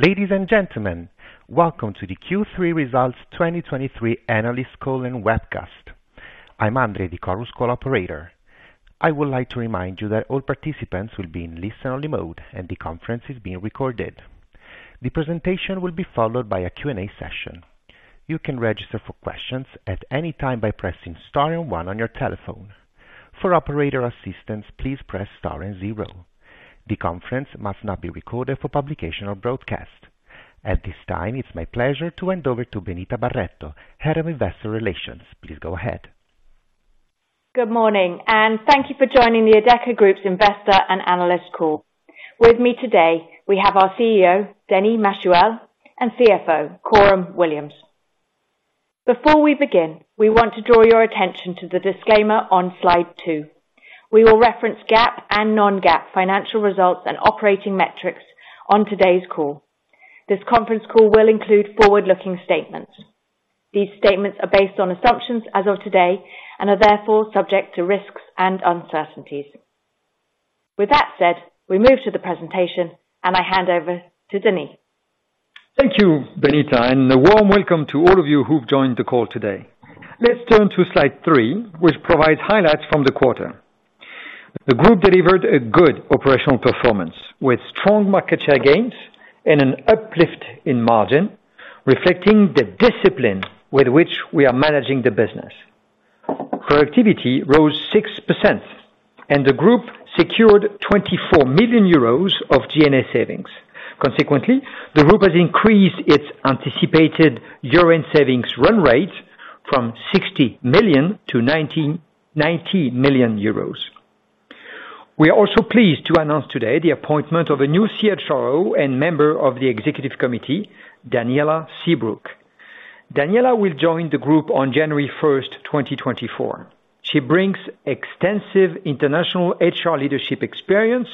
Ladies and gentlemen, welcome to the Q3 Results 2023 analyst call and webcast. I'm Andre, the Chorus Call operator. I would like to remind you that all participants will be in listen-only mode, and the conference is being recorded. The presentation will be followed by a Q&A session. You can register for questions at any time by pressing star and one on your telephone. For operator assistance, please press star-zero. The conference must not be recorded for publication or broadcast. At this time, it's my pleasure to hand over to Benita Barretto, Head of Investor Relations. Please go ahead. Good morning, and thank you for joining the Adecco Group's investor and analyst call. With me today, we have our CEO, Denis Machuel, and CFO, Coram Williams. Before we begin, we want to draw your attention to the disclaimer on slide two. We will reference GAAP and non-GAAP financial results and operating metrics on today's call. This conference call will include forward-looking statements. These statements are based on assumptions as of today and are therefore subject to risks and uncertainties. With that said, we move to the presentation, and I hand it over to Denis. Thank you, Benita, and a warm welcome to all of you who've joined the call today. Let's turn to Slide 3, which provides highlights from the quarter. The group delivered a good operational performance with strong market share gains and an uplift in margin, reflecting the discipline with which we are managing the business. Productivity rose 6%, and the group secured €24 million of G&A savings. Consequently, the group has increased its anticipated year-end savings run rate from €60 million to €90 million. We are also pleased to announce today the appointment of a new CHRO and member of the Executive Committee, Daniela Seabrook. Daniela will join the group on January 1, 2024. She brings extensive international HR leadership experience,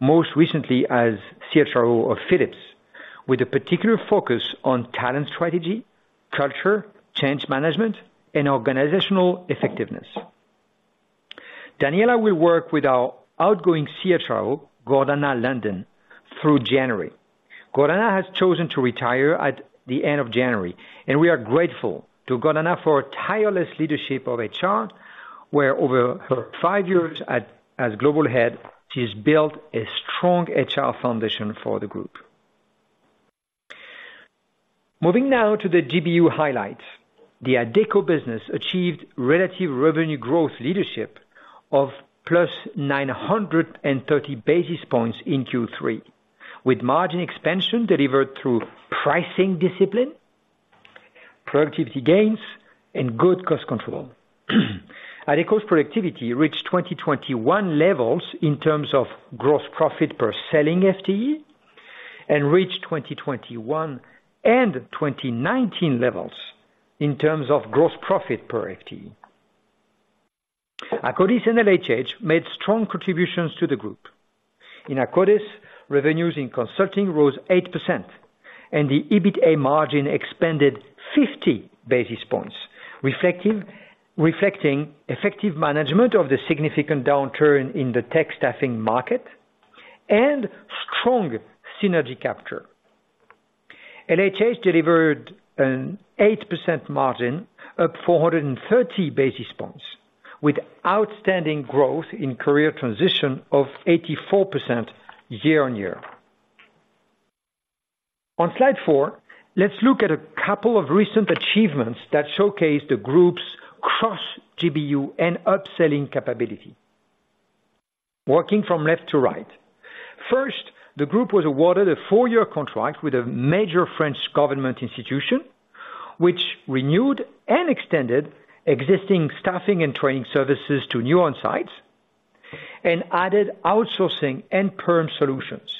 most recently as CHRO of Philips, with a particular focus on talent strategy, culture, change management, and organizational effectiveness. Daniela will work with our outgoing CHRO, Gordana Landen, through January. Gordana has chosen to retire at the end of January, and we are grateful to Gordana for her tireless leadership of HR, where over her five years at, as global head, she has built a strong HR foundation for the group. Moving now to the GBU highlights. The Adecco business achieved relative revenue growth leadership of +930 basis points in Q3, with margin expansion delivered through pricing discipline, productivity gains, and good cost control. Adecco's productivity reached 2021 levels in terms of gross profit per selling FTE and reached 2021 and 2019 levels in terms of gross profit per FTE. Akkodis and LHH made strong contributions to the group. In Akkodis, revenues in consulting rose 8%, and the EBITA margin expanded 50 basis points, reflecting effective management of the significant downturn in the tech staffing market and strong synergy capture. LHH delivered an 8% margin, up 430 basis points, with outstanding growth in career transition year-on-year. On Slide 4, let's look at a couple of recent achievements that showcase the group's cross GBU and upselling capability. Working from left to right. First, the group was awarded a four-year contract with a major French government institution, which renewed and extended existing staffing and training services to new on-sites and added outsourcing and perm solutions.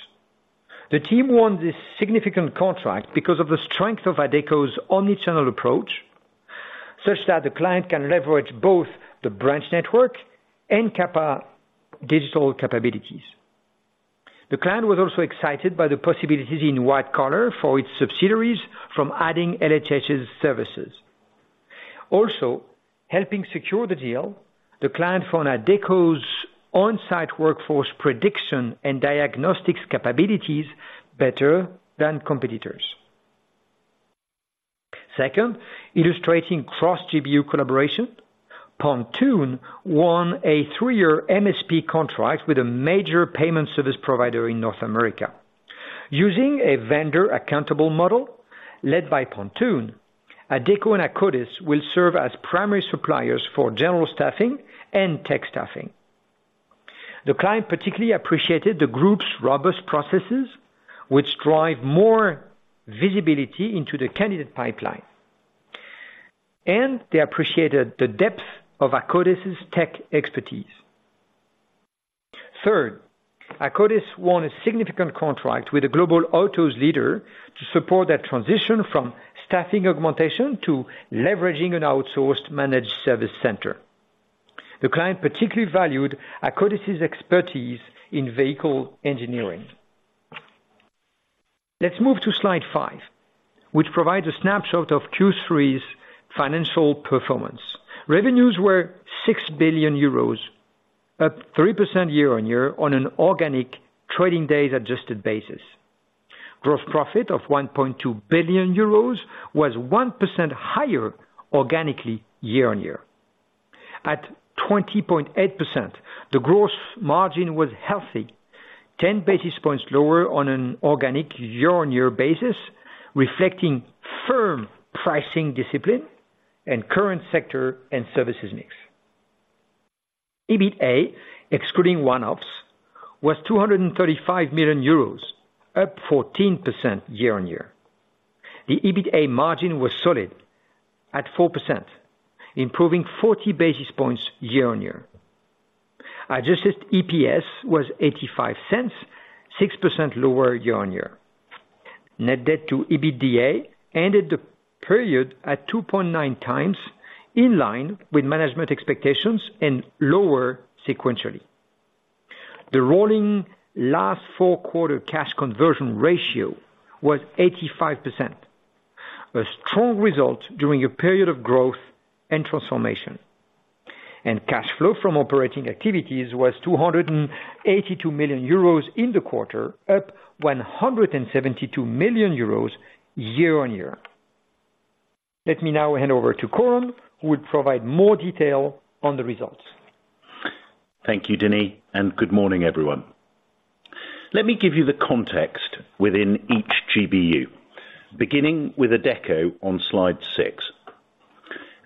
The team won this significant contract because of the strength of Adecco's omni-channel approach, such that the client can leverage both the branch network and QAPA digital capabilities. The client was also excited by the possibilities in white collar for its subsidiaries from adding LHH's services. Also, helping secure the deal, the client found Adecco's onsite workforce prediction and diagnostics capabilities better than competitors. Second, illustrating cross-GBU collaboration, Pontoon won a three-year MSP contract with a major payment service provider in North America. Using a vendor accountable model led by Pontoon, Adecco and Akkodis will serve as primary suppliers for general staffing and tech staffing. The client particularly appreciated the group's robust processes, which drive more visibility into the candidate pipeline, and they appreciated the depth of Akkodis' tech expertise. Third, Akkodis won a significant contract with a global autos leader to support that transition from staffing augmentation to leveraging an outsourced managed service center. The client particularly valued Akkodis' expertise in vehicle engineering. Let's move to Slide 5, which provides a snapshot of Q3's financial performance. Revenues were €6 billion, year-on-year on an organic trading days adjusted basis. Gross profit of €1.2 billion was 1% year-on-year. At 20.8%, the gross margin was healthy, 10 basis points lower on year-on-year basis, reflecting firm pricing discipline and current sector and services mix. EBITA, excluding one-offs, was €235 million, up 14% year onyear. The EBITA margin was solid at 4%, improving 40 year-on-year. Adjusted EPS was €0.85, year-on-year. Net debt to EBITDA ended the period at 2.9X, in line with management expectations and lower sequentially. The rolling last four quarter cash conversion ratio was 85%, a strong result during a period of growth and transformation. Cash flow from operating activities was €282 million in the quarter, up € year-on-year. Let me now hand over to Coram, who will provide more detail on the results. Thank you, Denis, and good morning, everyone. Let me give you the context within each GBU, beginning with Adecco on Slide 6.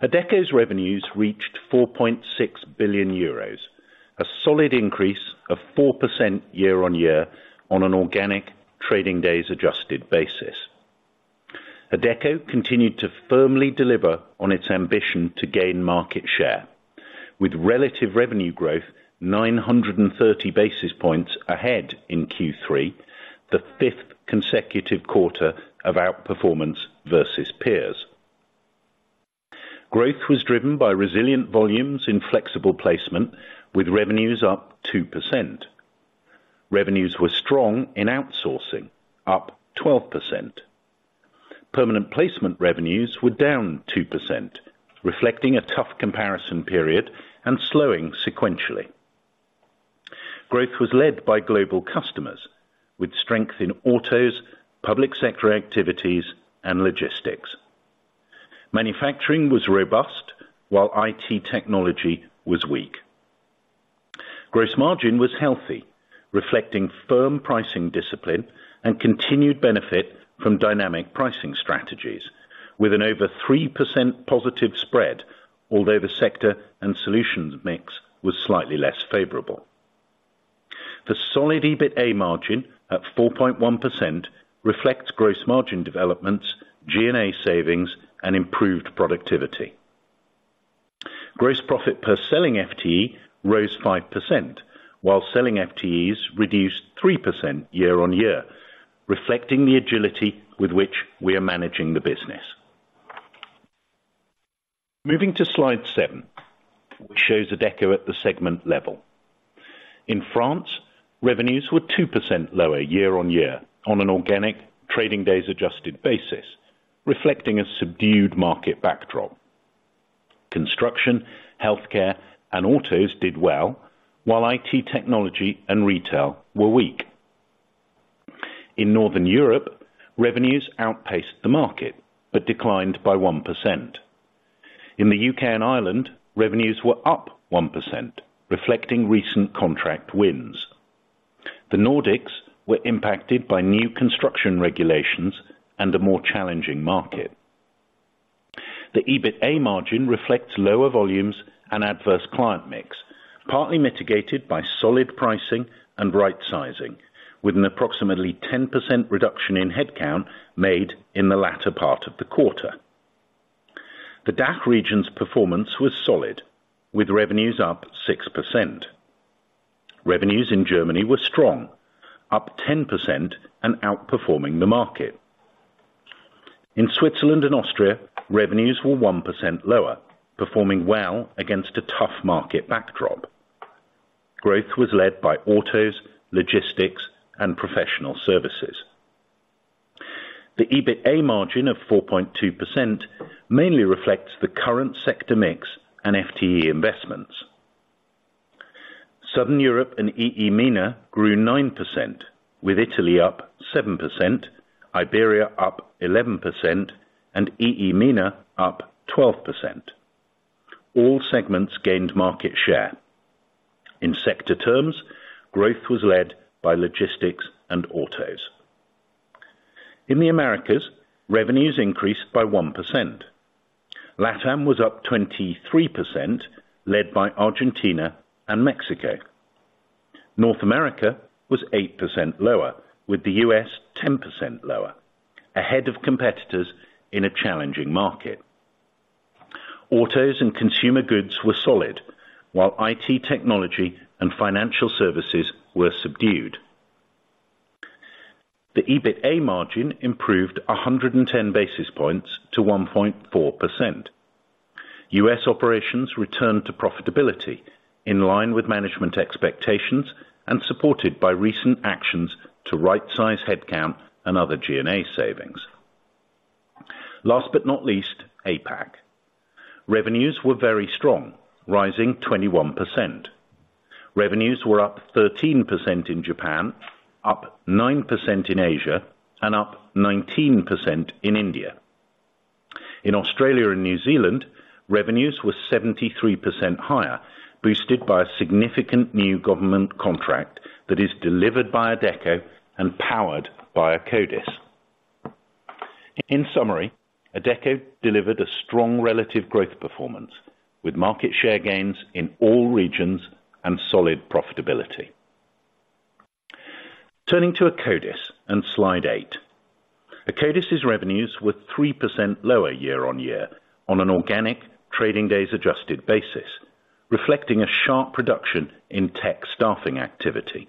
Adecco's revenues reached €4.6 billion, a solid increase year-on-year on an organic trading days adjusted basis. Adecco continued to firmly deliver on its ambition to gain market share with relative revenue growth 930 basis points ahead in Q3, the fifth consecutive quarter of outperformance versus peers. Growth was driven by resilient volumes in flexible placement, with revenues up 2%. Revenues were strong in outsourcing, up 12%. Permanent placement revenues were down 2%, reflecting a tough comparison period and slowing sequentially. Growth was led by global customers with strength in autos, public sector activities, and logistics. Manufacturing was robust, while IT technology was weak. Gross margin was healthy, reflecting firm pricing discipline and continued benefit from dynamic pricing strategies with an over -3% positive spread, although the sector and solutions mix was slightly less favorable. The solid EBITDA margin at 4.1% reflects gross margin developments, G&A savings, and improved productivity. Gross profit per selling FTE rose 5%, while selling FTEs year-on-year, reflecting the agility with which we are managing the business. Moving to Slide 7, which shows Adecco at the segment level. In France, revenues were year-on-year on an organic trading days adjusted basis, reflecting a subdued market backdrop. Construction, healthcare, and autos did well, while IT, technology, and retail were weak. In Northern Europe, revenues outpaced the market, but declined by 1%. In the UK and Ireland, revenues were up 1%, reflecting recent contract wins. The Nordics were impacted by new construction regulations and a more challenging market. The EBITDA margin reflects lower volumes and adverse client mix, partly mitigated by solid pricing and rightsizing, with an approximately 10% reduction in headcount made in the latter part of the quarter. The DACH region's performance was solid, with revenues up 6%. Revenues in Germany were strong, up 10% and outperforming the market. In Switzerland and Austria, revenues were 1% lower, performing well against a tough market backdrop. Growth was led by autos, logistics, and professional services. The EBITDA margin of 4.2% mainly reflects the current sector mix and FTE investments. Southern Europe and EEMENA grew 9%, with Italy up 7%, Iberia up 11%, and EEMENA up 12%. All segments gained market share. In sector terms, growth was led by logistics and autos. In the Americas, revenues increased by 1%. LATAM was up 23%, led by Argentina and Mexico. North America was 8% lower, with the U.S. 10% lower, ahead of competitors in a challenging market. Autos and consumer goods were solid, while IT, technology, and financial services were subdued. The EBITDA margin improved 110 basis points to 1.4%. U.S. operations returned to profitability in line with management expectations and supported by recent actions to rightsize headcount and other G&A savings. Last but not least, APAC. Revenues were very strong, rising 21%. Revenues were up 13% in Japan, up 9% in Asia, and up 19% in India. In Australia and New Zealand, revenues were 73% higher, boosted by a significant new government contract that is delivered by Adecco and powered by Akkodis. In summary, Adecco delivered a strong relative growth performance with market share gains in all regions and solid profitability. Turning to Akkodis and Slide 8. Akkodis' revenues were year-on-year on an organic trading days adjusted basis, reflecting a sharp reduction in tech staffing activity.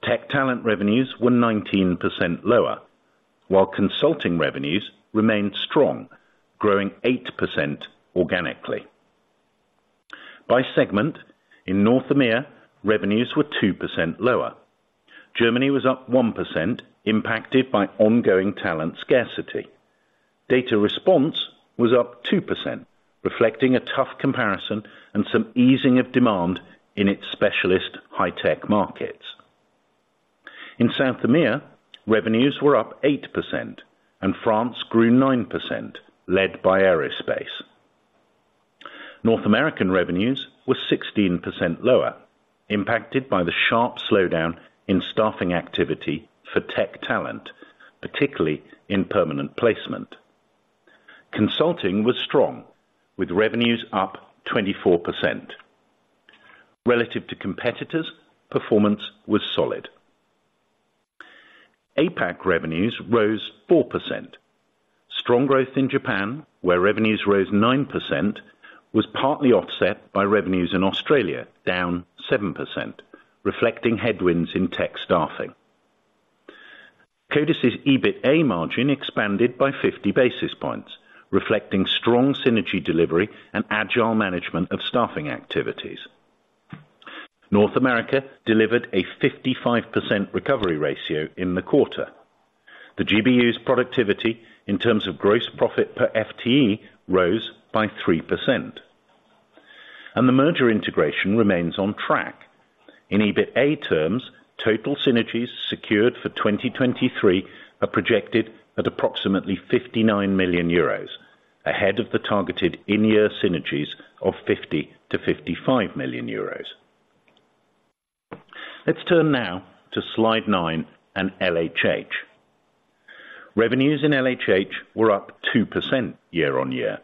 Tech Talent revenues were 19% lower, while consulting revenues remained strong, growing 8% organically. By segment, in North America, revenues were 2% lower. Germany was up 1%, impacted by ongoing talent scarcity. Data Respons was up 2%, reflecting a tough comparison and some easing of demand in its specialist high-tech markets. In South America, revenues were up 8%, and France grew 9%, led by aerospace. North American revenues were 16% lower, impacted by the sharp slowdown in staffing activity for tech talent, particularly in permanent placement. Consulting was strong, with revenues up 24%. Relative to competitors, performance was solid. APAC revenues rose 4%. Strong growth in Japan, where revenues rose 9%, was partly offset by revenues in Australia, down 7%, reflecting headwinds in tech staffing. Akkodis' EBITA margin expanded by 50 basis points, reflecting strong synergy delivery and agile management of staffing activities. North America delivered a 55% recovery ratio in the quarter. The GBU's productivity, in terms of gross profit per FTE, rose by 3%, and the merger integration remains on track. In EBITA terms, total synergies secured for 2023 are projected at approximately €59 million, ahead of the targeted in-year synergies of €50 million-€55 million. Let's turn now to Slide 9 and LHH. Revenues in LHH were up 2% year-on-year.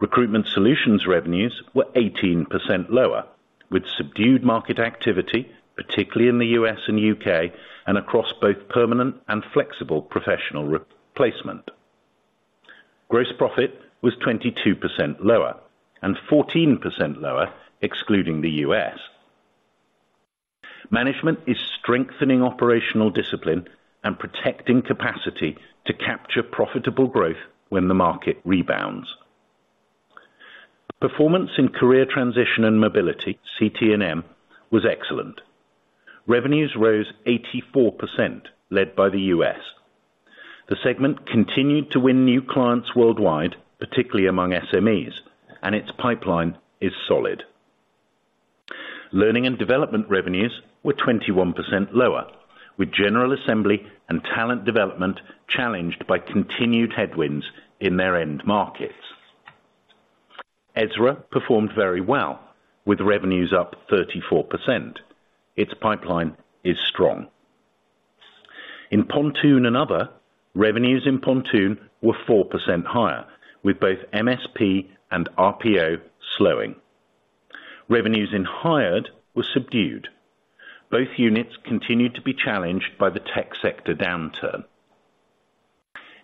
Recruitment Solutions revenues were 18% lower, with subdued market activity, particularly in the U.S. and UK, and across both permanent and flexible professional replacement. Gross profit was 22% lower and 14% lower, excluding the U.S. Management is strengthening operational discipline and protecting capacity to capture profitable growth when the market rebounds. Performance in Career Transition & Mobility, CTM, was excellent. Revenues rose 84%, led by the U.S. The segment continued to win new clients worldwide, particularly among SMEs, and its pipeline is solid. Learning & Development revenues were 21% lower, with General Assembly and talent development challenged by continued headwinds in their end markets. Ezra performed very well, with revenues up 34%. Its pipeline is strong. In Pontoon and other, revenues in Pontoon were 4% higher, with both MSP and RPO slowing. Revenues in Hired were subdued. Both units continued to be challenged by the tech sector downturn.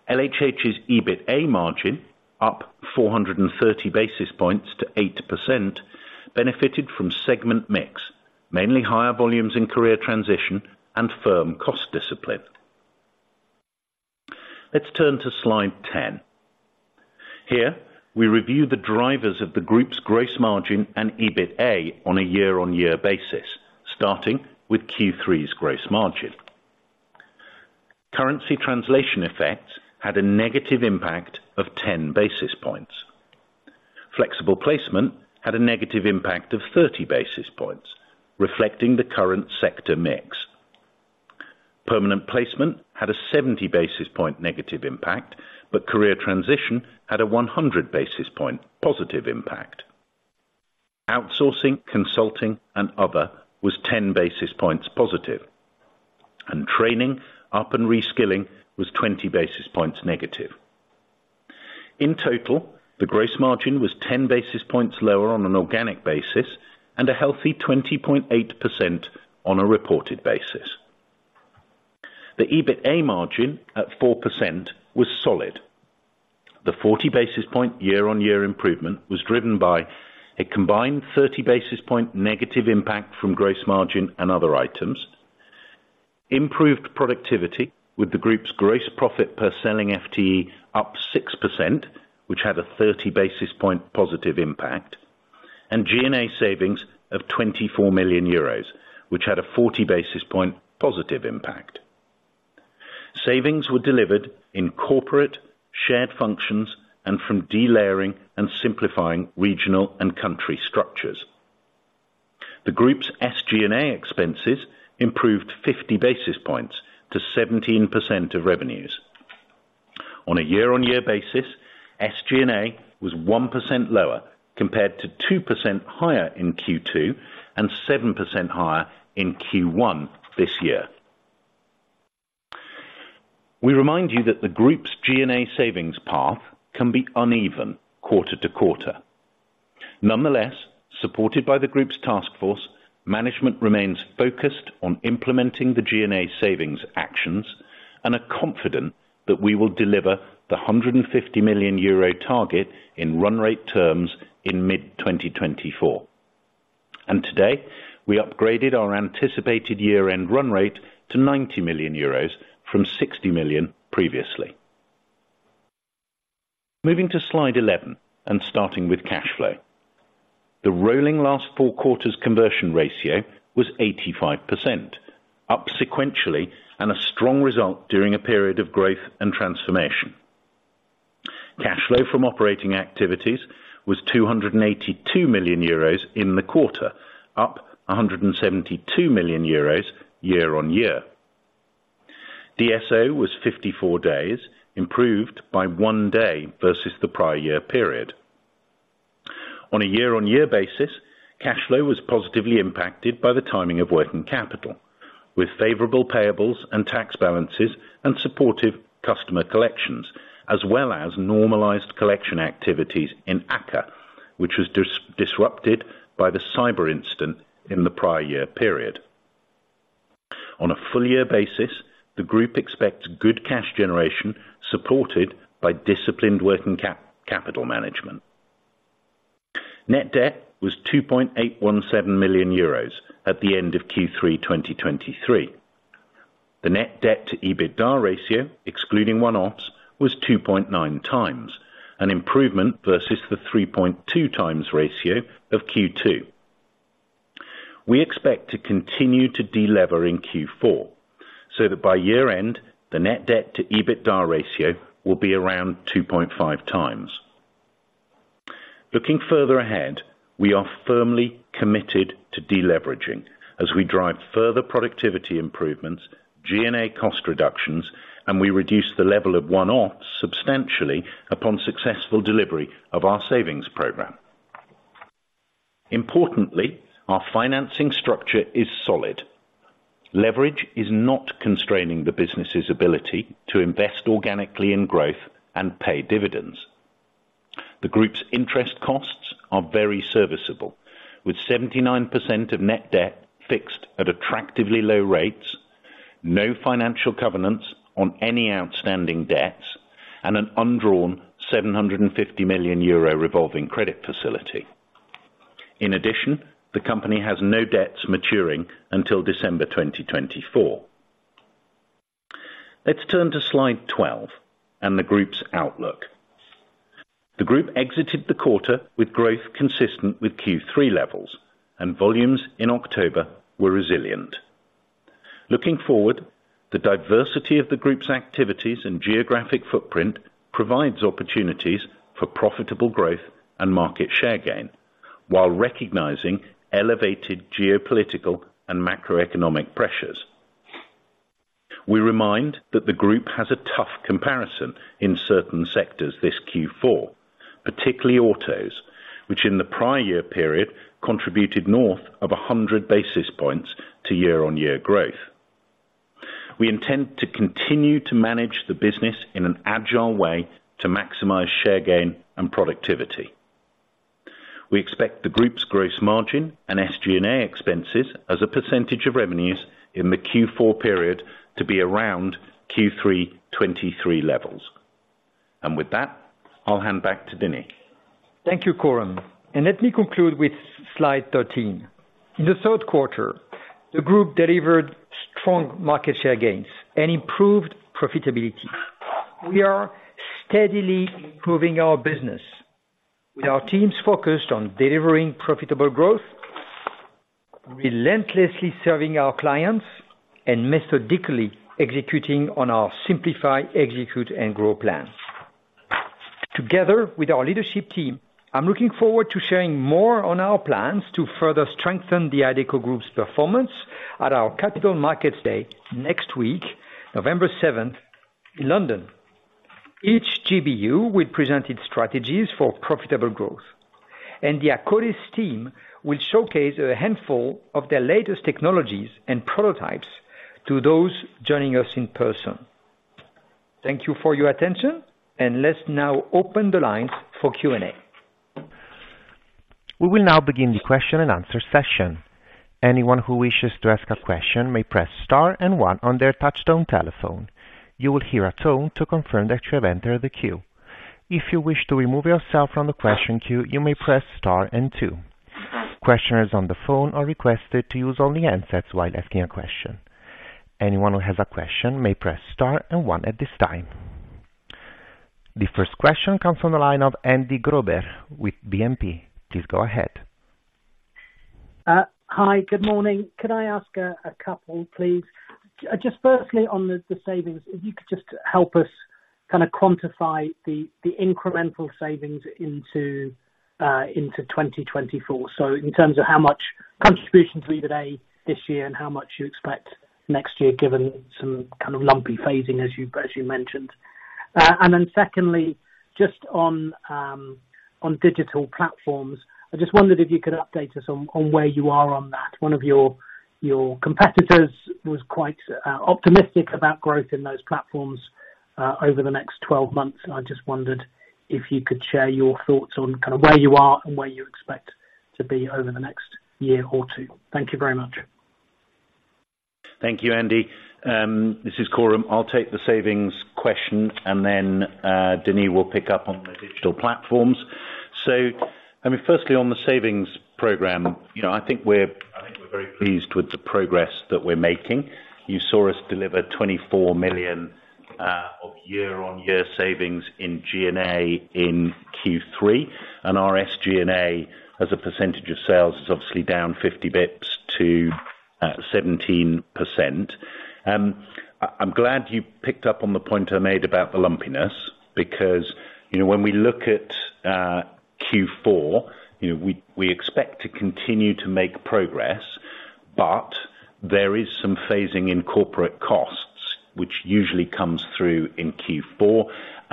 LHH's EBITA margin, up 430 basis points to 8%, benefited from segment mix, mainly higher volumes in career transition and firm cost discipline. Let's turn to Slide 10. Here, we review the drivers of the group's gross margin and EBITA year-on-year basis, starting with Q3's gross margin. Currency translation effects had a negative impact of 10 basis points. Flexible placement had a negative impact of 30 basis points, reflecting the current sector mix. Permanent placement had a 70 basis point negative impact, but career transition had a 100 basis point positive impact. Outsourcing, consulting, and other was 10 basis points positive, and training, up and reskilling was 20 basis points negative. In total, the gross margin was 10 basis points lower on an organic basis and a healthy 20.8% on a reported basis. The EBITA margin, at 4%, was solid. The 40 year-on-year improvement was driven by a combined 30 basis point negative impact from gross margin and other items. Improved productivity with the group's gross profit per selling FTE up 6%, which had a 30 basis point positive impact... and G&A savings of €24 million, which had a 40 basis point positive impact. Savings were delivered in corporate, shared functions, and from delayering and simplifying regional and country structures. The group's SG&A expenses improved 50 basis points to 17% of revenues. year-on-year basis, SG&A was 1% lower, compared to 2% higher in Q2 and 7% higher in Q1 this year. We remind you that the group's G&A savings path can be uneven quarter-to-quarter. Nonetheless, supported by the group's task force, management remains focused on implementing the G&A savings actions and are confident that we will deliver the €150 million target in run rate terms in mid-2024. Today, we upgraded our anticipated year-end run rate to €90 million from €60 million previously. Moving to Slide 11 and starting with cash flow. The rolling last four quarters conversion ratio was 85%, up sequentially and a strong result during a period of growth and transformation. Cash flow from operating activities was €282 million in the quarter, up year-on-year. DSO was 54 days, improved by one day versus the prior year period. year-on-year basis, cash flow was positively impacted by the timing of working capital, with favorable payables and tax balances and supportive customer collections, as well as normalized collection activities in Akka, which was disrupted by the cyber incident in the prior year period. On a full-year basis, the group expects good cash generation, supported by disciplined working capital management. Net debt was €2.817 million at the end of Q3 2023. The net debt to EBITDA ratio, excluding one-offs, was 2.9x, an improvement versus the 3.2x ratio of Q2. We expect to continue to delever in Q4, so that by year-end, the net debt to EBITDA ratio will be around 2.5x. Looking further ahead, we are firmly committed to deleveraging as we drive further productivity improvements, G&A cost reductions, and we reduce the level of one-offs substantially upon successful delivery of our savings program. Importantly, our financing structure is solid. Leverage is not constraining the business's ability to invest organically in growth and pay dividends. The group's interest costs are very serviceable, with 79% of net debt fixed at attractively low rates, no financial covenants on any outstanding debts, and an undrawn €750 million revolving credit facility. In addition, the company has no debts maturing until December 2024. Let's turn to Slide 12 and the group's outlook. The group exited the quarter with growth consistent with Q3 levels, and volumes in October were resilient. Looking forward, the diversity of the group's activities and geographic footprint provides opportunities for profitable growth and market share gain, while recognizing elevated geopolitical and macroeconomic pressures. We remind that the group has a tough comparison in certain sectors this Q4, particularly autos, which in the prior year period, contributed north of 100 basis year-on-year growth. We intend to continue to manage the business in an agile way to maximize share gain and productivity. We expect the group's gross margin and SG&A expenses as a percentage of revenues in the Q4 period to be around Q3 2023 levels. And with that, I'll hand back to Denis. Thank you, Coram, and let me conclude with Slide 13. In the Q3, the group delivered strong market share gains and improved profitability. We are steadily improving our business, with our teams focused on delivering profitable growth, relentlessly serving our clients, and methodically executing on our Simplify, Execute and Grow plan. Together with our leadership team, I'm looking forward to sharing more on our plans to further strengthen the Adecco Group's performance at our Capital Markets Day next week, November 7, in London. Each GBU will present its strategies for profitable growth, and the Akkodis team will showcase a handful of their latest technologies and prototypes to those joining us in person. Thank you for your attention, and let's now open the lines for Q&A. We will now begin the question-and-answer session. Anyone who wishes to ask a question may press star and one on their touchtone telephone. You will hear a tone to confirm that you have entered the queue. If you wish to remove yourself from the question queue, you may press star and two. Questioners on the phone are requested to use only handsets while asking a question. Anyone who has a question may press star and one at this time... The first question comes from the line of Andy Grobler with BNP. Please go ahead. Hi, good morning. Could I ask a couple, please? Just firstly, on the savings, if you could just help us kind of quantify the incremental savings into 2024. So in terms of how much contribution to EBITDA this year and how much you expect next year, given some kind of lumpy phasing as you mentioned. And then secondly, just on digital platforms, I just wondered if you could update us on where you are on that. One of your competitors was quite optimistic about growth in those platforms over the next 12 months, and I just wondered if you could share your thoughts on kind of where you are and where you expect to be over the next year or two. Thank you very much. Thank you, Andy. This is Coram. I'll take the savings question, and then Denis will pick up on the digital platforms. So, I mean, firstly, on the savings program, you know, I think we're very pleased with the progress that we're making. You saw us deliver €24 year-on-year savings in G&A in Q3, and our SG&A, as a percentage of sales, is obviously down 50 basis points to 17%. I'm glad you picked up on the point I made about the lumpiness, because, you know, when we look at Q4, you know, we expect to continue to make progress, but there is some phasing in corporate costs, which usually comes through in Q4.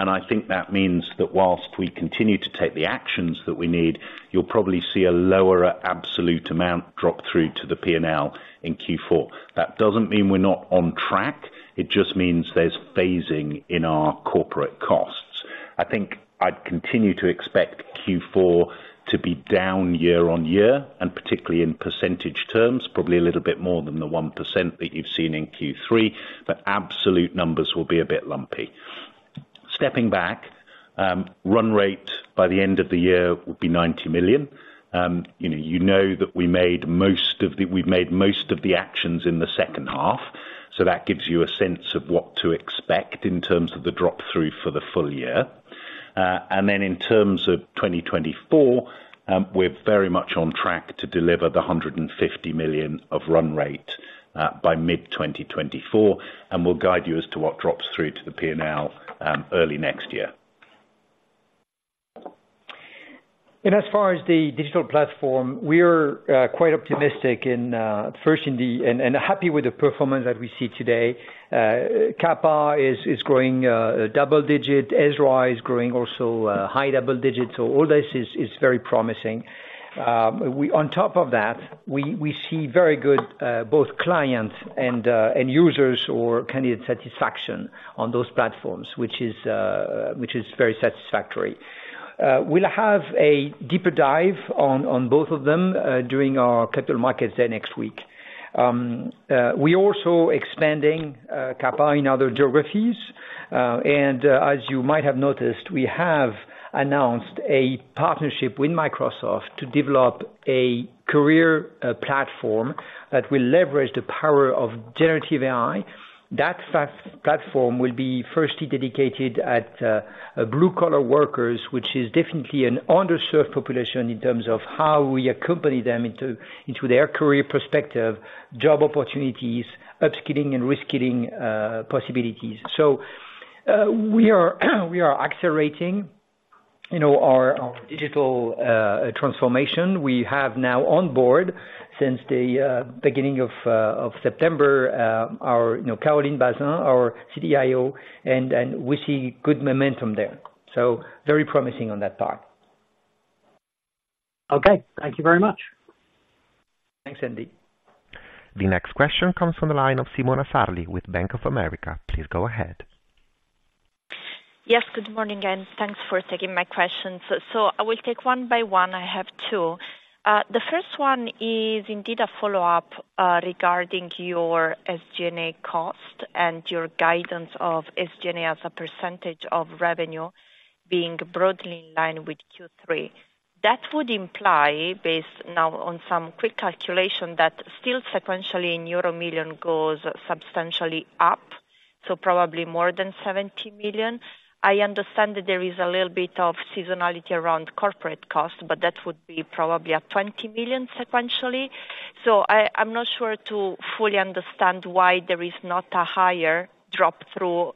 I think that means that while we continue to take the actions that we need, you'll probably see a lower absolute amount drop through to the P&L in Q4. That doesn't mean we're not on track, it just means there's phasing in our corporate costs. I think I'd continue to expect Q4 to year-on-year, and particularly in percentage terms, probably a little bit more than the 1% that you've seen in Q3, but absolute numbers will be a bit lumpy. Stepping back, run rate by the end of the year will be €90 million. You know, you know that we've made most of the actions in the second half, so that gives you a sense of what to expect in terms of the drop-through for the full-year. And then in terms of 2024, we're very much on track to deliver €150 million of run rate by mid-2024, and we'll guide you as to what drops through to the P&L early next year. As far as the digital platform, we're quite optimistic. And happy with the performance that we see today. Qapa is growing double digit. Ezra is growing also high double digits, so all this is very promising. On top of that, we see very good both clients and end users or candidate satisfaction on those platforms, which is very satisfactory. We'll have a deeper dive on both of them during our Capital Markets Day next week. We're also expanding Qapa in other geographies, and as you might have noticed, we have announced a partnership with Microsoft to develop a career platform that will leverage the power of generative AI. That platform will be firstly dedicated at blue-collar workers, which is definitely an underserved population in terms of how we accompany them into their career perspective, job opportunities, upskilling and reskilling possibilities. So, we are accelerating, you know, our digital transformation. We have now on board, since the beginning of September, our, you know, Caroline Basyn, our CDIO, and we see good momentum there. So very promising on that part. Okay. Thank you very much. Thanks, Andy. The next question comes from the line of Simona Sarli with Bank of America. Please go ahead. Yes, good morning, and thanks for taking my question. So, so I will take one by one, I have two. The first one is indeed a follow-up, regarding your SG&A cost and your guidance of SG&A as a percentage of revenue being broadly in line with Q3. That would imply, based now on some quick calculation, that still sequentially in € million goes substantially up, so probably more than €70 million. I understand that there is a little bit of seasonality around corporate cost, but that would be probably a €20 million sequentially. So I'm not sure to fully understand why there is not a higher drop through,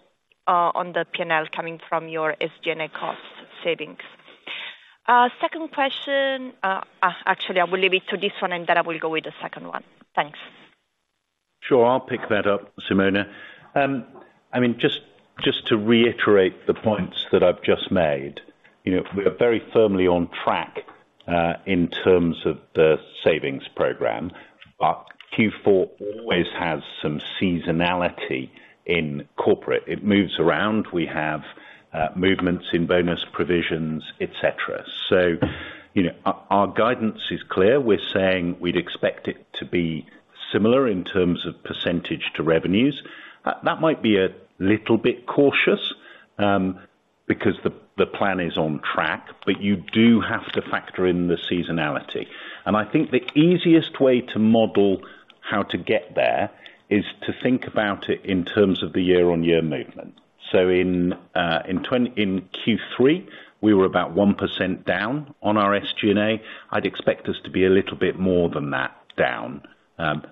on the P&L coming from your SG&A cost savings. Second question, actually, I will leave it to this one, and then I will go with the second one. Thanks. Sure. I'll pick that up, Simona. I mean, just, just to reiterate the points that I've just made, you know, we are very firmly on track in terms of the savings program, but Q4 always has some seasonality in corporate. It moves around. We have movements in bonus provisions, et cetera. So, you know, our guidance is clear. We're saying we'd expect it to be similar in terms of percentage to revenues. That might be a little bit cautious because the plan is on track, but you do have to factor in the seasonality. And I think the easiest way to model how to get there is to think about it in terms year-on-year movement. So in Q3, we were about 1% down on our SG&A. I'd expect us to be a little bit more than that down,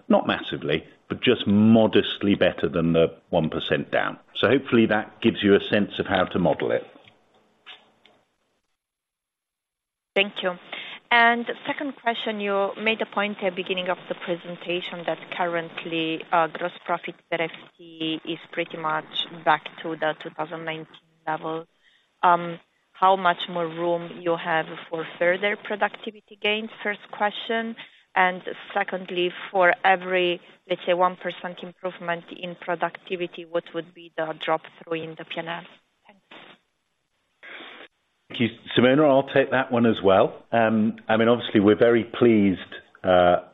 not massively, but just modestly better than the 1% down. So hopefully that gives you a sense of how to model it. Thank you. Second question, you made a point at the beginning of the presentation that currently, gross profit that I see is pretty much back to the 2019 level. How much more room you have for further productivity gains? First question, and secondly, for every, let's say, 1% improvement in productivity, what would be the drop through in the P&L? Thanks. Thank you. Simona, I'll take that one as well. I mean, obviously, we're very pleased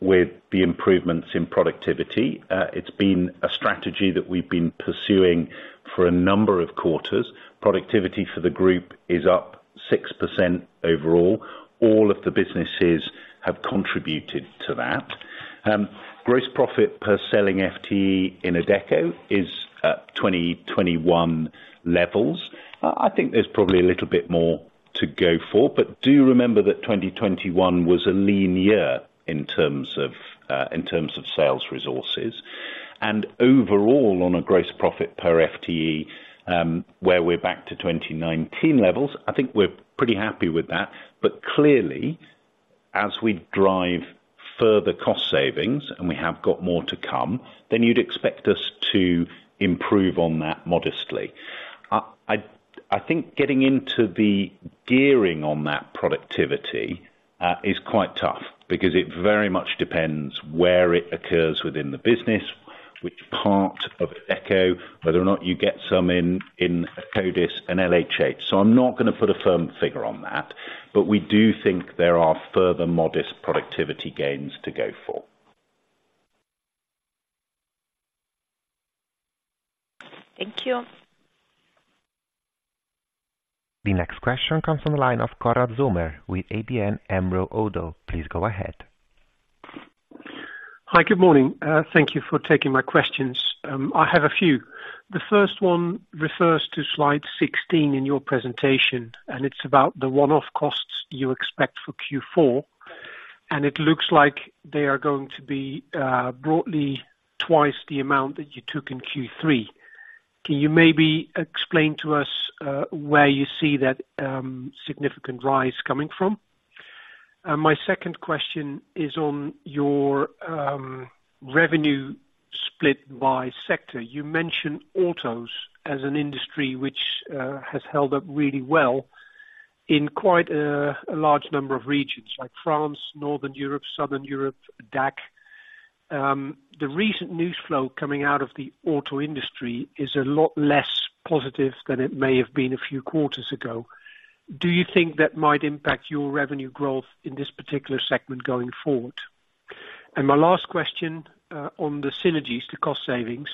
with the improvements in productivity. It's been a strategy that we've been pursuing for a number of quarters. Productivity for the group is up 6% overall. All of the businesses have contributed to that. Gross profit per selling FTE in Adecco is at 2021 levels. I think there's probably a little bit more to go for, but do remember that 2021 was a lean year in terms of in terms of sales resources. And overall, on a gross profit per FTE, where we're back to 2019 levels, I think we're pretty happy with that. But clearly, as we drive further cost savings, and we have got more to come, then you'd expect us to improve on that modestly. I think getting into the gearing on that productivity is quite tough because it very much depends where it occurs within the business, which part of Adecco, whether or not you get some in Akkodis and LHH. So I'm not gonna put a firm figure on that, but we do think there are further modest productivity gains to go for. Thank you. The next question comes from the line of Konrad Zomer with ABN AMRO - ODDO BHF. Please go ahead. Hi, good morning. Thank you for taking my questions. I have a few. The first one refers to Slide 16 in your presentation, and it's about the one-off costs you expect for Q4, and it looks like they are going to be broadly twice the amount that you took in Q3. Can you maybe explain to us where you see that significant rise coming from? And my second question is on your revenue split by sector. You mentioned autos as an industry which has held up really well in quite a large number of regions like France, Northern Europe, Southern Europe, DACH. The recent news flow coming out of the auto industry is a lot less positive than it may have been a few quarters ago. Do you think that might impact your revenue growth in this particular segment going forward? My last question on the synergies, the cost savings.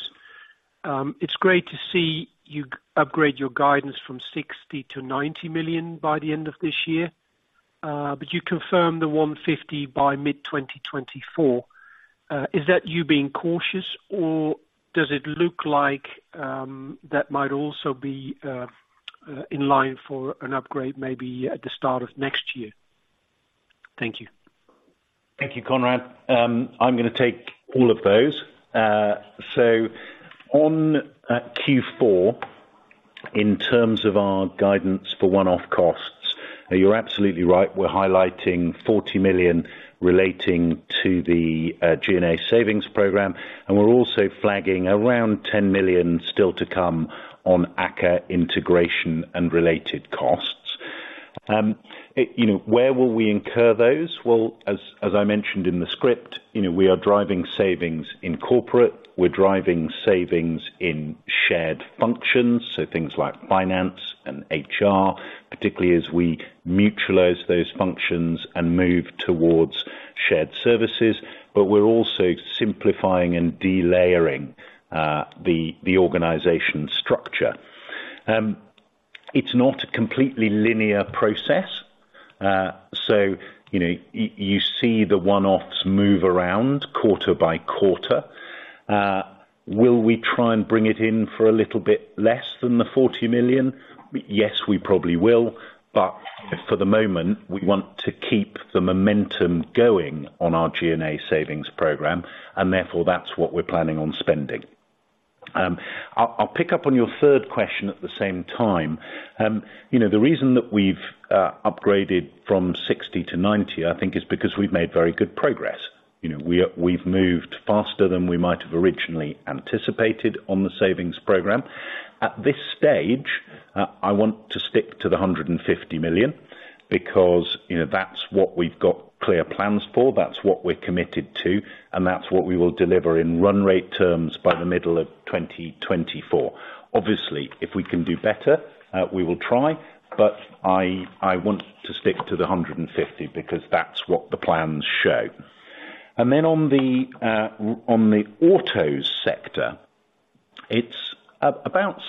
It's great to see you upgrade your guidance from €60 million to €90 million by the end of this year, but you confirmed the €150 million by mid-2024. Is that you being cautious or does it look like that might also be in line for an upgrade maybe at the start of next year? Thank you. Thank you, Konrad. I'm gonna take all of those. So on Q4, in terms of our guidance for one-off costs, you're absolutely right. We're highlighting €40 million relating to the G&A savings program, and we're also flagging around €10 million still to come on AKKA integration and related costs. You know, where will we incur those? Well, as I mentioned in the script, you know, we are driving savings in corporate, we're driving savings in shared functions, so things like finance and HR, particularly as we mutualize those functions and move towards shared services, but we're also simplifying and delayering the organization structure. It's not a completely linear process, so you know, you see the one-offs move around quarter-by-quarter. Will we try and bring it in for a little bit less than the €40 million? Yes, we probably will, but for the moment, we want to keep the momentum going on our SG&A savings program, and therefore, that's what we're planning on spending. I'll pick up on your third question at the same time. You know, the reason that we've upgraded from 60 to 90, I think, is because we've made very good progress. You know, we've moved faster than we might have originally anticipated on the savings program. At this stage, I want to stick to €150 million because, you know, that's what we've got clear plans for, that's what we're committed to, and that's what we will deliver in run rate terms by the middle of 2024. Obviously, if we can do better, we will try, but I, I want to stick to the 150 because that's what the plans show. And then on the autos sector. It's about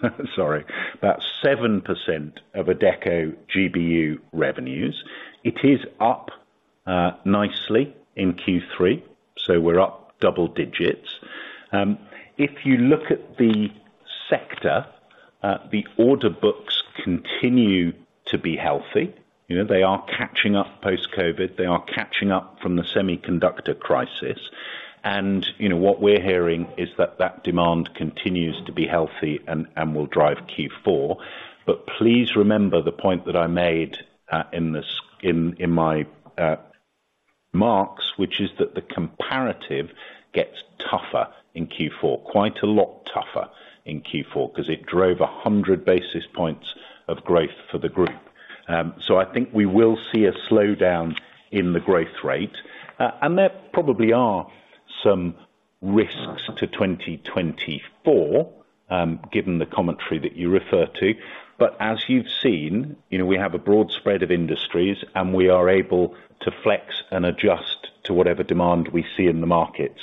seven percent, sorry, about 7% of Adecco GBU revenues. It is up nicely in Q3, so we're up double digits. If you look at the sector, the order books continue to be healthy. You know, they are catching up post-COVID. They are catching up from the semiconductor crisis, and, you know, what we're hearing is that demand continues to be healthy and will drive Q4. But please remember the point that I made in my marks, which is that the comparative gets tougher in Q4, quite a lot tougher in Q4, because it drove 100 basis points of growth for the group. So I think we will see a slowdown in the growth rate. And there probably are some risks to 2024, given the commentary that you refer to. But as you've seen, you know, we have a broad spread of industries, and we are able to flex and adjust to whatever demand we see in the markets.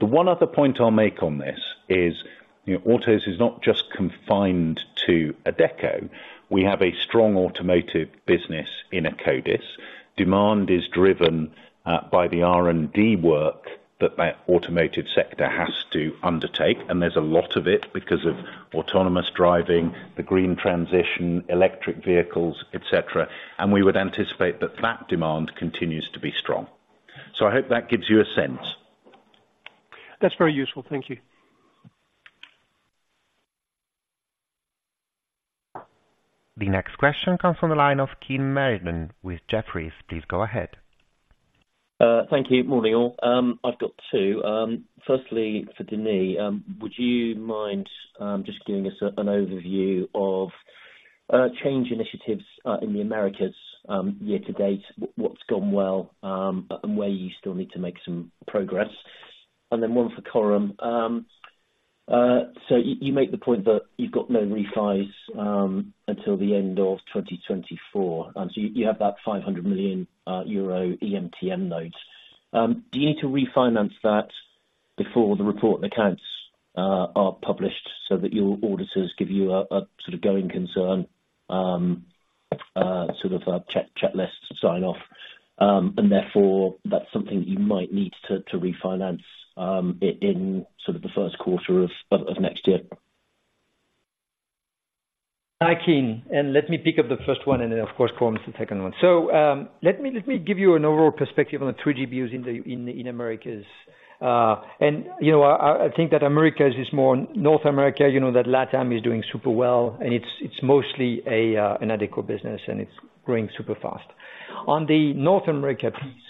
The one other point I'll make on this is, you know, autos is not just confined to Adecco. We have a strong automotive business in Akkodis. Demand is driven by the R&D work that that automotive sector has to undertake, and there's a lot of it, because of autonomous driving, the green transition, electric vehicles, et cetera. We would anticipate that that demand continues to be strong. I hope that gives you a sense. That's very useful. Thank you. The next question comes from the line of Kean Marden with Jefferies. Please go ahead. Thank you. Morning, all. I've got two. Firstly, for Denis, would you mind just giving us an overview of change initiatives in the Americas year to date? What's gone well, and where you still need to make some progress? And then one for Coram. So you make the point that you've got no refis until the end of 2024, so you have that €500 million EMTN note. Do you need to refinance that before the report and accounts are published so that your auditors give you a sort of going concern sort of checklist sign off? And therefore, that's something you might need to refinance in sort of the first quarter of next year. Hi, Kean, and let me pick up the first one, and then, of course, Coram, the second one. So, let me give you an overall perspective on the three GBUs in the Americas. And, you know, I think that Americas is more North America, you know, that LATAM is doing super well, and it's mostly an Adecco business, and it's growing super fast. On the North America piece,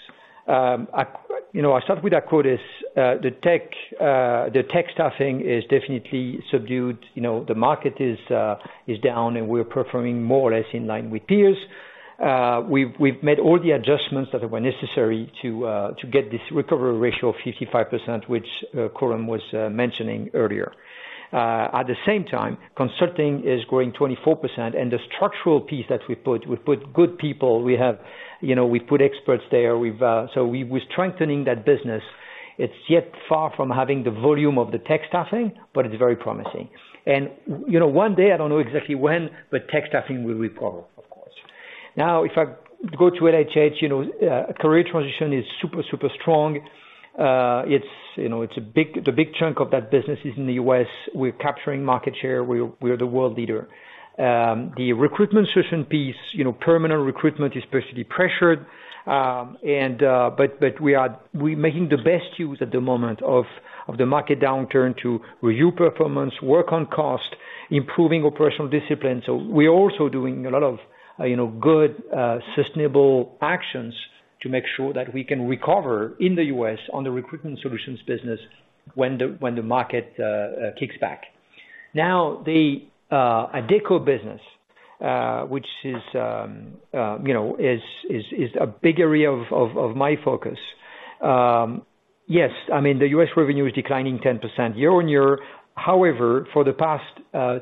you know, I start with Akkodis. The tech staffing is definitely subdued. You know, the market is down, and we're performing more or less in line with peers. We've made all the adjustments that were necessary to get this recovery ratio of 55%, which Coram was mentioning earlier. At the same time, consulting is growing 24%, and the structural piece that we put, we put good people. We have, you know, we've put experts there. We've, so we, we're strengthening that business. It's yet far from having the volume of the tech staffing, but it's very promising. And, you know, one day, I don't know exactly when, but tech staffing will recover, of course. Now, if I go to LHH, you know, career transition is super, super strong. It's, you know, it's a big... The big chunk of that business is in the U.S. We're capturing market share. We're, we're the world leader. The recruitment solution piece, you know, permanent recruitment is especially pressured, and but we are making the best use at the moment of the market downturn to review performance, work on cost, improving operational discipline. So we're also doing a lot of, you know, good, sustainable actions to make sure that we can recover in the U.S on the recruitment solutions business when the market kicks back. Now, the Adecco business, which is, you know, is a big area of my focus. Yes, I mean, the U.S revenue is year-on-year. However, for the past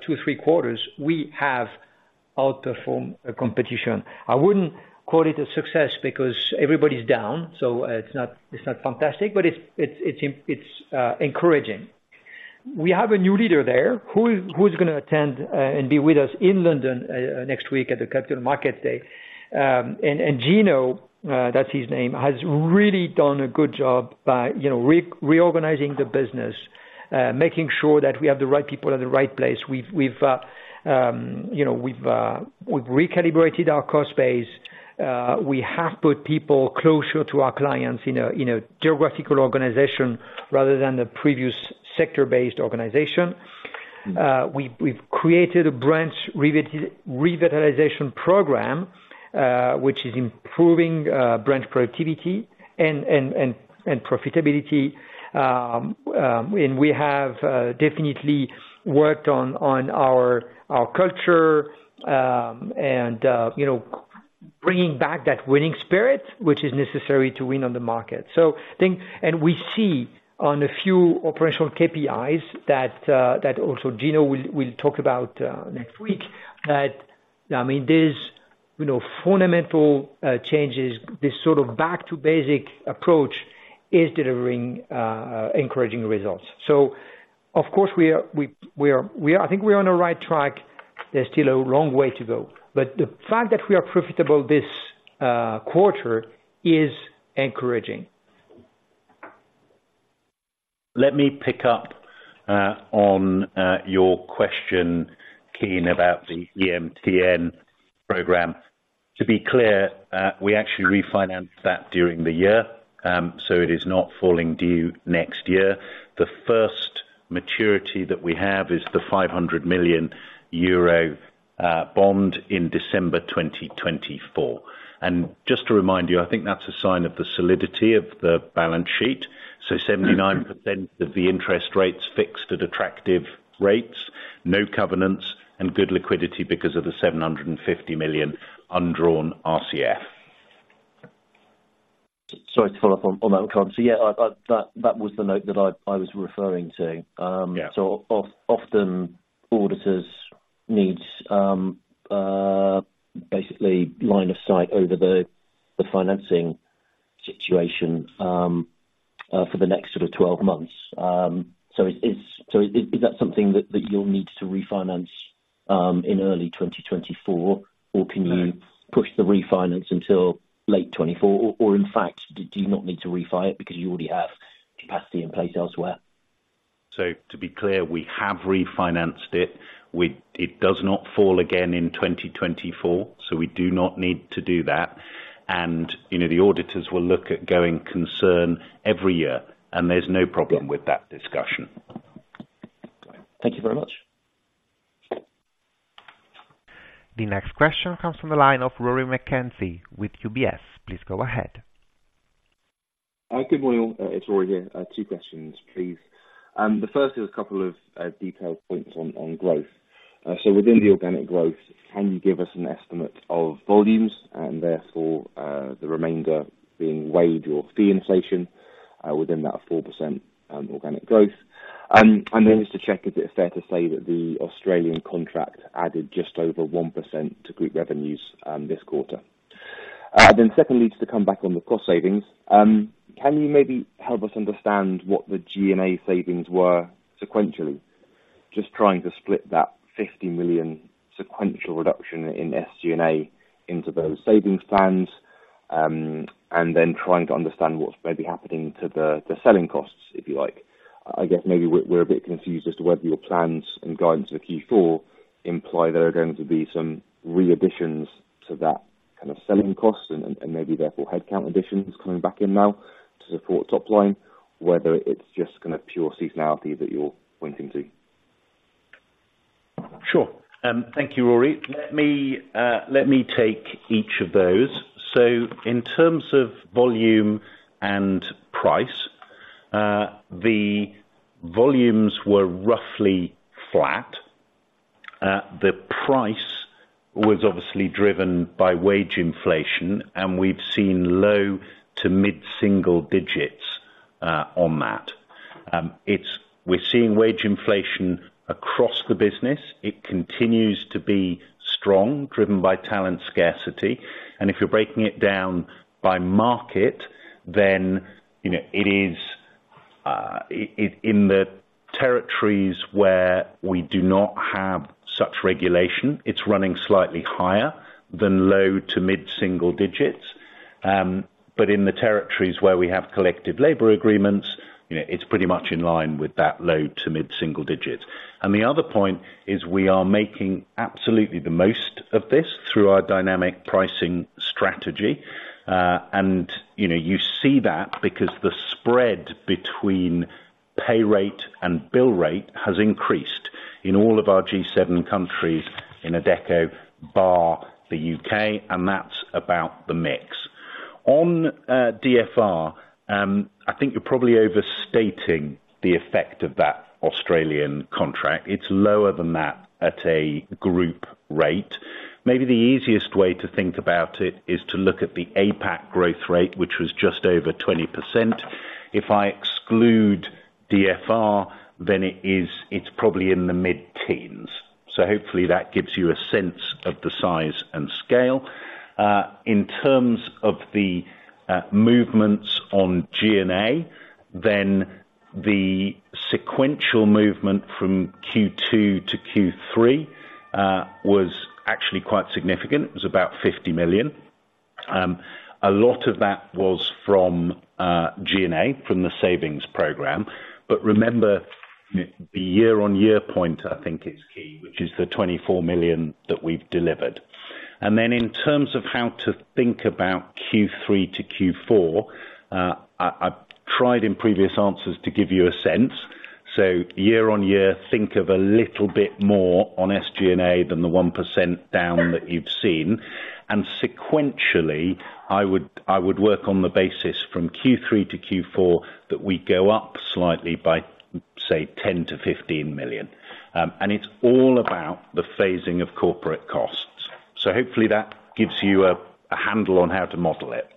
two or three quarters, we have outperformed the competition. I wouldn't call it a success because everybody's down, so it's not fantastic, but it's encouraging. We have a new leader there, who's gonna attend and be with us in London next week at the Capital Markets Day. Geno, that's his name, has really done a good job by, you know, reorganizing the business, making sure that we have the right people at the right place. You know, we've recalibrated our cost base. We have put people closer to our clients in a geographical organization rather than the previous sector-based organization. We've created a branch revitalization program, which is improving branch productivity and profitability. We have definitely worked on our culture, and you know, bringing back that winning spirit, which is necessary to win on the market. We see on a few operational KPIs that also Geno will talk about next week, that I mean, there's you know, fundamental changes, this sort of back to basic approach is delivering encouraging results. So of course we are. I think we're on the right track. There's still a long way to go, but the fact that we are profitable this quarter is encouraging. Let me pick up on your question, Kean, about the EMTN program. To be clear, we actually refinanced that during the year, so it is not falling due next year. The first maturity that we have is the €500 million bond in December 2024. And just to remind you, I think that's a sign of the solidity of the balance sheet. So 79% of the interest rates fixed at attractive rates, no covenants and good liquidity because of the €750 million undrawn RCF. Sorry to follow up on that one. So yeah, that was the note that I was referring to. Yeah. So often auditors need basically line of sight over the financing situation for the next twelve months. So is that something that you'll need to refinance in early 2024? No. Or can you push the refinance until late 2024? Or, or in fact, do you not need to refi it because you already have capacity in place elsewhere? So to be clear, we have refinanced it. It does not fall again in 2024, so we do not need to do that. And, you know, the auditors will look at going concern every year, and there's no problem with that discussion. Thank you very much. The next question comes from the line of Rory McKenzie with UBS. Please go ahead. Good morning, it's Rory here. Two questions, please. The first is a couple of detailed points on growth. So within the organic growth, can you give us an estimate of volumes and therefore the remainder being wage or fee inflation within that 4% organic growth? And then just to check, if it's fair to say that the Australian contract added just over 1% to group revenues this quarter? Then secondly, to come back on the cost savings, can you maybe help us understand what the G&A savings were sequentially? Just trying to split that €50 million sequential reduction in SG&A into those savings plans, and then trying to understand what's maybe happening to the selling costs, if you like. I guess maybe we're a bit confused as to whether your plans and guidance for Q4 imply there are going to be some re-additions to that kind of selling costs and maybe therefore headcount additions coming back in now to support top line, or whether it's just kind of pure seasonality that you're pointing to? Sure. Thank you, Rory. Let me take each of those. So in terms of volume and price, the volumes were roughly flat. The price was obviously driven by wage inflation, and we've seen low- to mid-single digits on that. We're seeing wage inflation across the business. It continues to be strong, driven by talent scarcity, and if you're breaking it down by market, then, you know, it is in the territories where we do not have such regulation, it's running slightly higher than low- to mid-single digits. But in the territories where we have collective labor agreements, you know, it's pretty much in line with that low- to mid-single digits. And the other point is we are making absolutely the most of this through our dynamic pricing strategy. and, you know, you see that because the spread between pay rate and bill rate has increased in all of our G7 countries, in Adecco, bar the UK, and that's about the mix. On DFR, I think you're probably overstating the effect of that Australian contract. It's lower than that at a group rate. Maybe the easiest way to think about it is to look at the APAC growth rate, which was just over 20%. If I exclude DFR, then it is, it's probably in the mid-teens. So hopefully that gives you a sense of the size and scale. In terms of the movements on G&A, then the sequential movement from Q2 to Q3 was actually quite significant. It was about €50 million. A lot of that was from G&A, from the savings program. But year-on-year point, I think is key, which is the €24 million that we've delivered. And then in terms of how to think about Q3 to Q4, I've tried in previous answers to give you a year-on-year, think of a little bit more on SG&A than the 1% down that you've seen. And sequentially, I would work on the basis from Q3 to Q4, that we go up slightly by, say, €10 million-€15 million. And it's all about the phasing of corporate costs. So hopefully that gives you a handle on how to model it....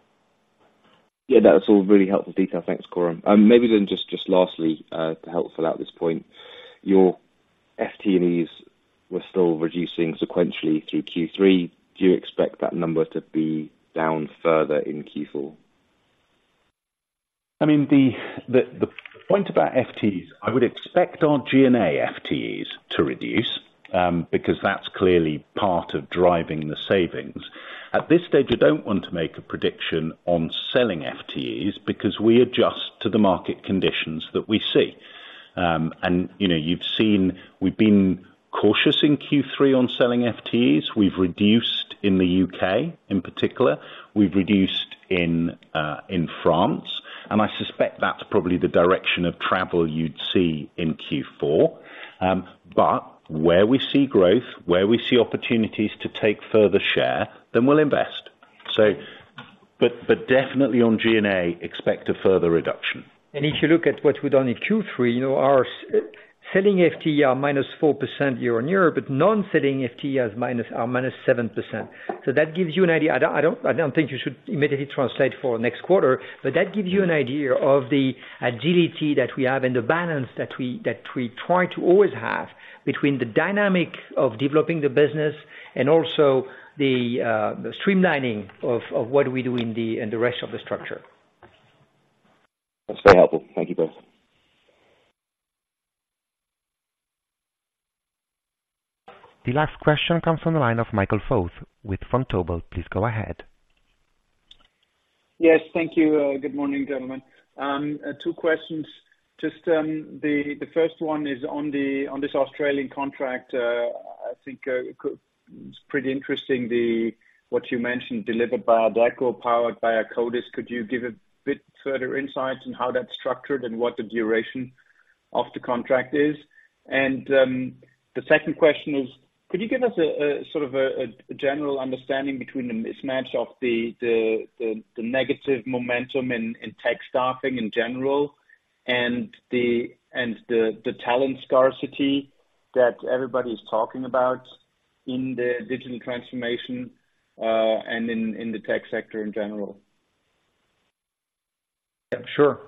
Yeah, that's all really helpful detail. Thanks, Coram. Maybe then just, just lastly, to help fill out this point, your FTEs were still reducing sequentially through Q3. Do you expect that number to be down further in Q4? I mean, the point about FTEs, I would expect our G&A FTEs to reduce, because that's clearly part of driving the savings. At this stage, we don't want to make a prediction on selling FTEs, because we adjust to the market conditions that we see. And, you know, you've seen we've been cautious in Q3 on selling FTEs. We've reduced in the UK in particular, we've reduced in France, and I suspect that's probably the direction of travel you'd see in Q4. But where we see growth, where we see opportunities to take further share, then we'll invest. So, but definitely on G&A, expect a further reduction. If you look at what we've done in Q3, you know, our selling FTE year-on-year, but non-selling FTE is minus, are minus 7%. So that gives you an idea. I don't think you should immediately translate for next quarter, but that gives you an idea of the agility that we have and the balance that we try to always have, between the dynamic of developing the business and also the streamlining of what we do in the rest of the structure. That's very helpful. Thank you both. The last question comes from the line of Michael Foeth with Vontobel. Please go ahead. Yes, thank you. Good morning, gentlemen. Two questions. Just, the first one is on the—on this Australian contract, I think, it's pretty interesting, the... What you mentioned, delivered by Akkodis, powered by Akkodis. Could you give a bit further insight on how that's structured and what the duration of the contract is? And, the second question is: could you give us a sort of a general understanding between the mismatch of the negative momentum in tech staffing in general, and the talent scarcity that everybody's talking about in the digital transformation, and in the tech sector in general? Yeah, sure.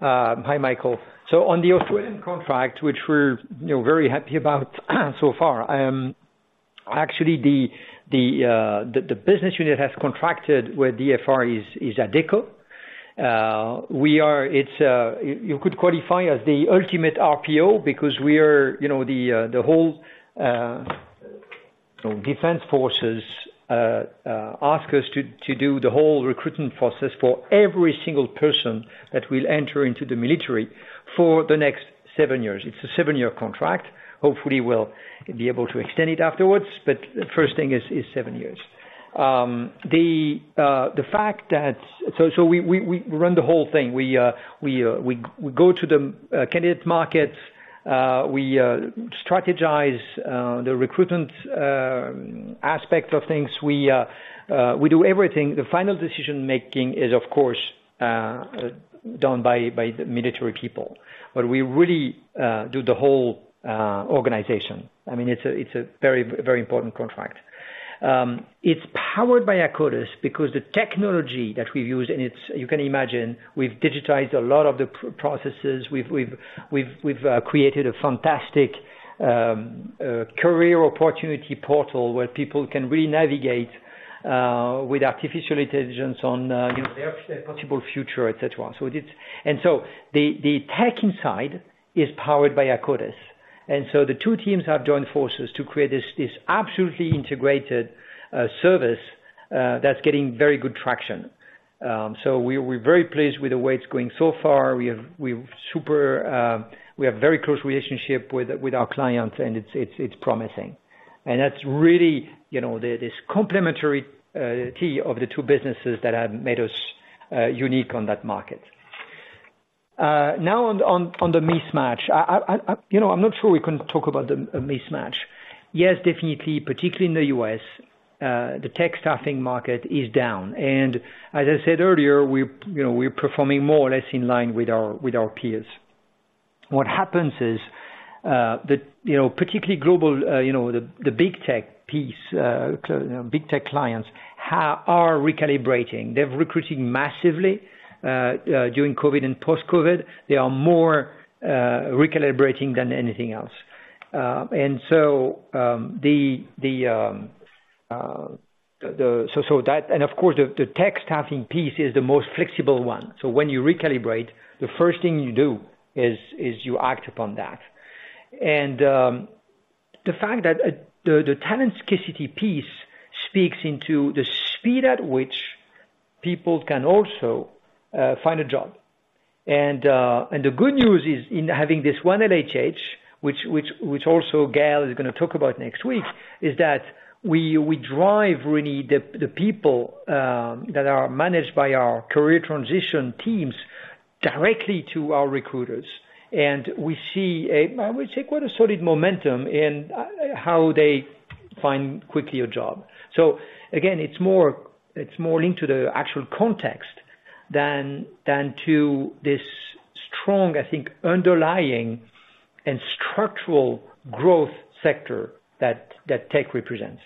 Hi, Michael. So on the Australian contract, which we're, you know, very happy about so far. Actually, the business unit has contracted with ADF is Adecco. We are... It's, you could qualify as the ultimate RPO because we are, you know, the whole defense forces ask us to do the whole recruitment process for every single person that will enter into the military for the next seven years. It's a seven-year contract. Hopefully, we'll be able to extend it afterwards, but the first thing is seven years. The fact that... So we run the whole thing. We go to the candidate markets, we strategize the recruitment aspect of things. We do everything. The final decision-making is, of course, done by, by the military people, but we really do the whole organization. I mean, it's a, it's a very, very important contract. It's powered by Akkodis because the technology that we use, and it's—you can imagine, we've digitized a lot of the processes. We've created a fantastic career opportunity portal where people can really navigate with artificial intelligence on, you know, their possible future, et cetera. So it is... And so the tech inside is powered by Akkodis. And so the two teams have joined forces to create this, this absolutely integrated service that's getting very good traction. So we're very pleased with the way it's going so far. We've super close relationship with our clients, and it's promising. That's really, you know, this complementary key of the two businesses that have made us unique on that market. Now on the mismatch. You know, I'm not sure we can talk about a mismatch. Yes, definitely, particularly in the U.S., the tech staffing market is down, and as I said earlier, we're, you know, we're performing more or less in line with our peers. What happens is that, you know, particularly global, you know, the big tech piece, big tech clients are recalibrating. They're recruiting massively during COVID and post-COVID. They are more recalibrating than anything else. And so, the the... So that, and of course, the tech staffing piece is the most flexible one. So when you recalibrate, the first thing you do is you act upon that. And the fact that the talent scarcity piece speaks into the speed at which people can also find a job. And, and the good news is, in having this one at LHH, which Gaëlle is gonna talk about next week, is that we drive really the people that are managed by our career transition teams directly to our recruiters. And we see a, I would say, quite a solid momentum in how they find quickly a job. So again, it's more linked to the actual context than to this strong, I think, underlying and structural growth sector that tech represents.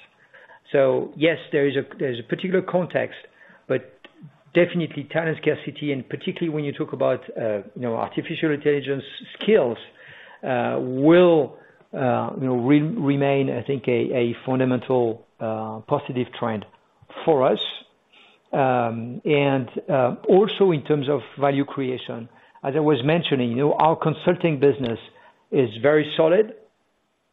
So yes, there is a, there's a particular context, but definitely talent scarcity, and particularly when you talk about, you know, artificial intelligence skills, will, you know, remain, I think, a fundamental positive trend for us. And, also in terms of value creation, as I was mentioning, you know, our consulting business is very solid.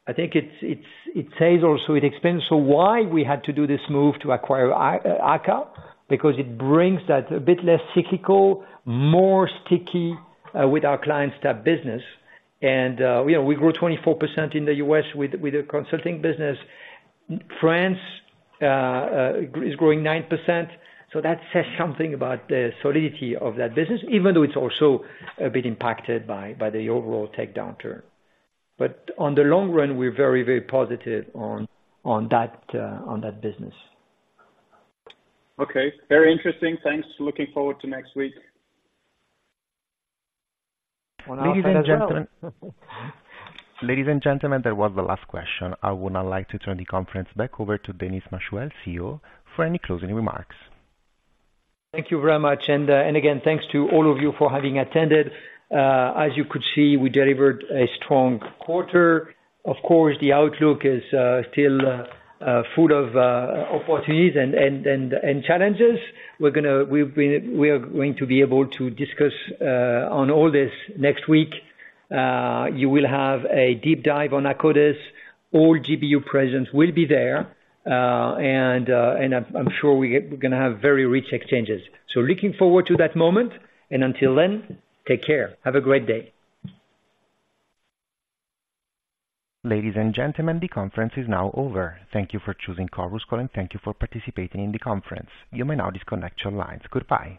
I think it's, it says also it explains so why we had to do this move to acquire AKKA, because it brings that a bit less cyclical, more sticky with our clients type business. And, you know, we grew 24% in the U.S. with the consulting business. France is growing 9%, so that says something about the solidity of that business, even though it's also a bit impacted by the overall tech downturn. But on the long run, we're very, very positive on that business. Okay. Very interesting. Thanks. Looking forward to next week. Well, ladies and gentlemen- Ladies and gentlemen, that was the last question. I would now like to turn the conference back over to Denis Machuel, CEO, for any closing remarks. Thank you very much. And again, thanks to all of you for having attended. As you could see, we delivered a strong quarter. Of course, the outlook is still full of opportunities and challenges. We are going to be able to discuss on all this next week. You will have a deep dive on Akkodis. All GBU presence will be there, and I'm sure we're gonna have very rich exchanges. So looking forward to that moment, and until then, take care. Have a great day. Ladies and gentlemen, the conference is now over. Thank you for choosing Chorus Call, and thank you for participating in the conference. You may now disconnect your lines. Goodbye.